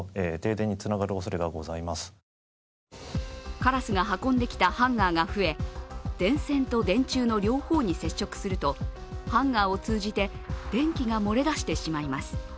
カラスが運んできたハンガーが増え、電線と電柱の両方に接触するとハンガーを通じて電気が漏れ出してしまいます。